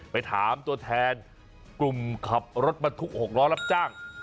ไปถามตัวแทนกลุ่มขับรถบรรทุก๖ล้อรับจ้าง